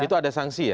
itu ada sanksi ya